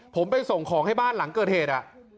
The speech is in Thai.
ผมไปส่งของให้บ้านหลังเกิดเหตุ